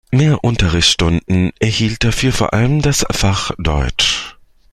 Mehr Unterrichtsstunden erhielt dafür vor allem das Fach Deutsch.